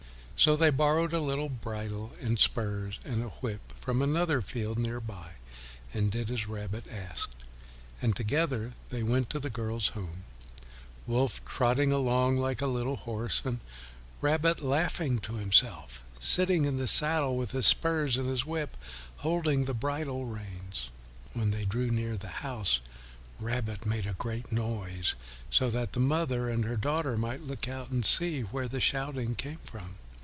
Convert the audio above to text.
So they borrowed a little bridle and spurs and a whip from another field near by, and did as Rabbit asked, and together they went to the girl's home, Wolf trotting along like a little horse, and Rabbit laughing to himself, sitting in the saddle, with his spurs and his whip, holding the bridle reins. When they drew near the house, Rabbit made a great noise so that the mother and her daughter might look out to see where the shouting came from.